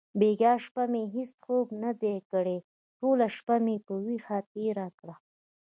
بیګا شپه مې هیڅ خوب ندی کړی. ټوله شپه مې په ویښه تېره کړه.